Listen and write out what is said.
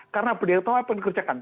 karena penyertaan pengerjakan